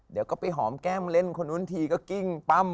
เดี๋ยวก็ไปหอมแก้มเล่นคนนู้นทีก็กิ้งปั้ม